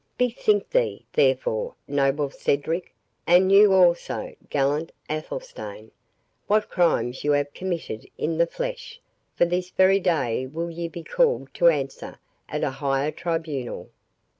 Bethink thee, therefore, noble Cedric, and you also, gallant Athelstane, what crimes you have committed in the flesh; for this very day will ye be called to answer at a higher tribunal."